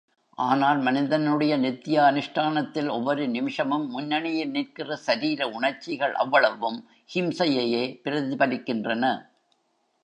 ஆனால், மனிதனுடைய நித்ய அனுஷ்டானத்தில் ஒவ்வொரு நிமிஷமும் முன்னணியில் நிற்கிற சரீர உணர்ச்சிகள் அவ்வளவும் ஹிம்சையையே பிரதிபலிக்கின்றன.